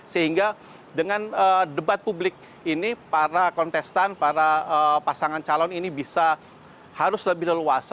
sehingga dengan debat publik ini para kontestan para pasangan calon ini bisa harus lebih leluasa